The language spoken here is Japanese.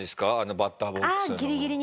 バッターボックスの。